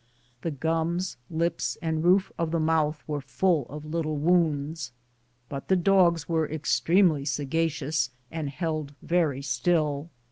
The gums, lips, and roof of the mouth were full of little wounds, but the dogs were extremely sagacious and held very still.